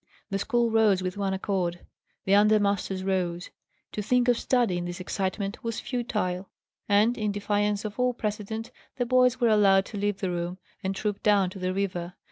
The school rose with one accord. The under masters rose. To think of study, in this excitement, was futile; and, in defiance of all precedent, the boys were allowed to leave the room, and troop down to the river.